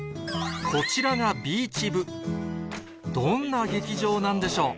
こちらがびーちぶどんな劇場なんでしょう？